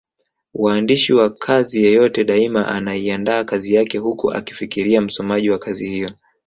Waandishi wa kazi yeyote daima anaiandaa kazi yake huku akimfikiria msomaji wa kazi hiyo.